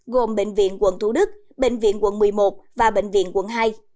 gồm bệnh viện quận thủ đức bệnh viện quận một mươi một và bệnh viện quận hai